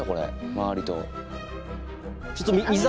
周りと。